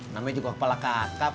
namanya juga kepala kakap